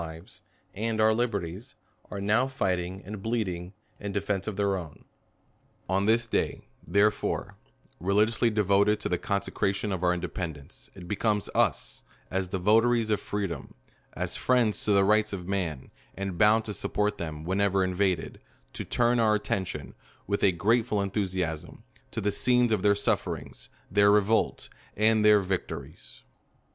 lives and our liberties, are now fighting and bleed ing in defence of their own. On this day, therefore, religiously devoted to the consecration of our independence, it becomes us, as the votaries of freedom, as friends to the rights of man, and bound to support them whenever invaded, to turn' our attention, with a grateful enthusiasm, to the scenes of their sufferings, their revolt, and their victories.